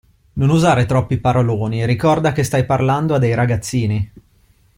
Non usare troppi paroloni, ricorda che stai parlando a dei ragazzini!